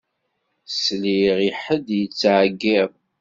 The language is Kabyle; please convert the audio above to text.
Sliɣ i ḥedd yettɛeyyiḍ.